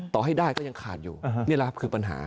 ต่อให้ได้ก็ยังขาดอยู่นี่แหละครับคือปัญหา